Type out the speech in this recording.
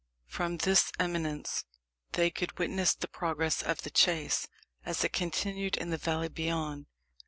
From this eminence they could witness the progress of the chase, as it continued in the valley beyond.